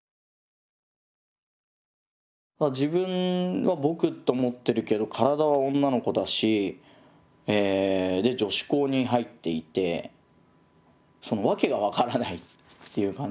自分は僕と思ってるけど体は女の子だし女子校に入っていてその訳が分からないっていう感じ。